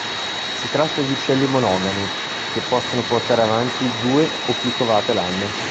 Si tratta di uccelli monogami, che possono portare avanti due o più covate l'anno.